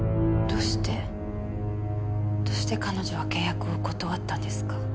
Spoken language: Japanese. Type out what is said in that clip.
どうして彼女は契約を断ったんですか？